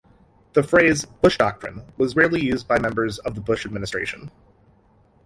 The phrase "Bush Doctrine" was rarely used by members of the Bush administration.